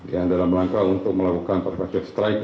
yang dalam langkah untuk melakukan perpetual strike